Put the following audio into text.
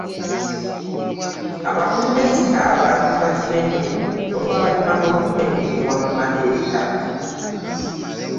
Abakulu b’ekika baakyuka kinene oluvannyuma lw’okutendekebwa mu mateeka.